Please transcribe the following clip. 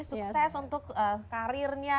sukses untuk karirnya